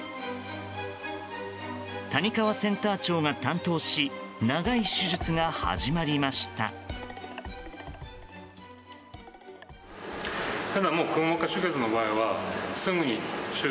谷川センター長が担当し長い手術が始まりました。